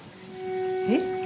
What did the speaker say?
えっ？